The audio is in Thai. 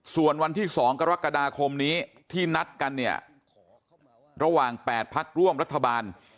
ส่วนวันที่๒กรกฎาคมนี้ที่นัดกันเนี่ยระหว่าง๘พักร่วมรัฐบาล